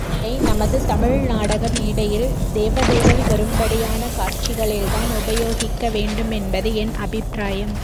இதை நமது தமிழ் நாடக மேடையில் தேவதைகள் வரும்படியான காட்சிகளில்தான் உபயோகிக்க வேண்டுமென்பது என் அபிப்பிராயம்.